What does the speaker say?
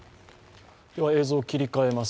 映像を切り替えます。